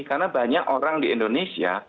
karena banyak orang di indonesia